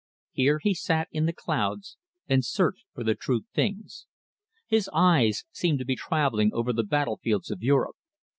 Here he sat in the clouds and searched for the true things. His eyes seemed to be travelling over the battlefields of Europe.